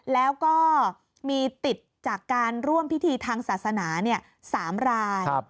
แล้วก็มีติดจากการร่วมพิธีทางศาสนา๓ราย